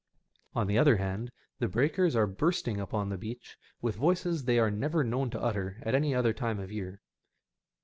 On the other hand, the breakers are bursting upon the beach with voices they are never known to utter at any other time of the year.